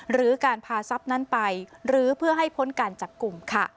หรือการพาทรัพย์นั้นไปหรือเพื่อให้พ้นการจับกลุ่มค่ะ